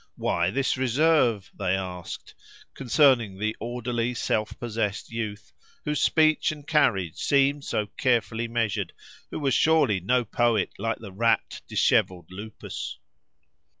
Why this reserve?—they asked, concerning the orderly, self possessed youth, whose speech and carriage seemed so carefully measured, who was surely no poet like the rapt, dishevelled Lupus.